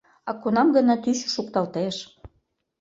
А кунам-гынат ӱчӧ шукталтеш!».